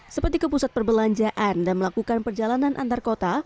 seperti ke pusat perbelanjaan dan melakukan perjalanan antar kota